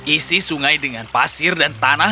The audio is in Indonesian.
isi sungai dengan pasir dan tanah